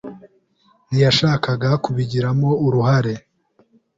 ntiyashakaga kubigiramo uruhare.